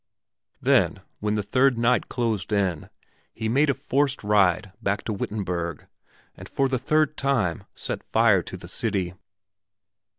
Then, when the third night closed in, he made a forced ride back to Wittenberg, and for the third time set fire to the city.